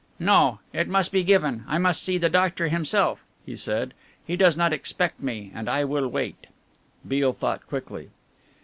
"No, it must be given I must see the doctor himself," he said. "He does not expect me and I will wait." Beale thought quickly.